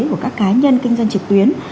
của các cá nhân kinh doanh trực tuyến